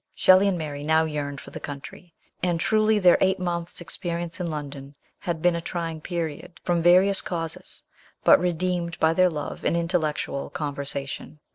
Shelley and Mary now yearned for the country, and truly their eight months' experience in London had been a trying period, from various causes, but re deemed by their love and intellectual conversation.